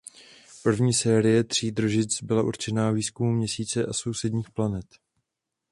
První série tří družic byla určená výzkumu Měsíce a sousedních planet.